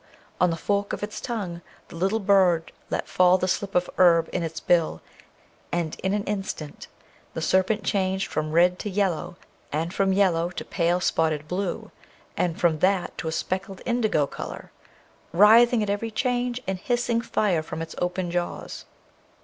on the fork of its tongue the little bird let fall the slip of herb in its bill, and in an instant the serpent changed from red to yellow and from yellow to pale spotted blue, and from that to a speckled indigo colour, writhing at every change, and hissing fire from its open jaws.